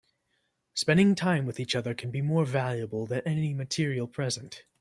Spending time with each other can be more valuable than any material present.